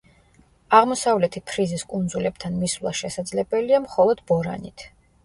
აღმოსავლეთი ფრიზის კუნძულებთან მისვლა შესაძლებელია მხოლოდ ბორანით.